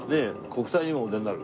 国体にもお出になる？